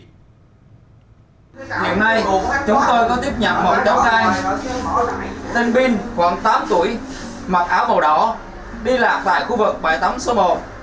hiện nay chúng tôi có tiếp nhận một cháu gai tên binh khoảng tám tuổi mặc áo màu đỏ đi lạc tại khu vực bài tắm số một